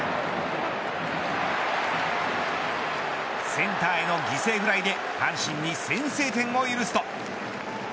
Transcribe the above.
センターへの犠牲フライで阪神に先制点を許すと。